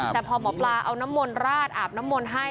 แต่พอหมอปลาเอาน้ำมนต์ราดอาบน้ำมนต์ให้